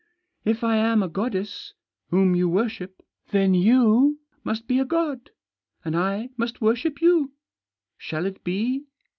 " If I am a goddess, whom you worship, then you must be god, and I must worship you. Shall it be